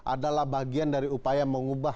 adalah bagian dari upaya mengubah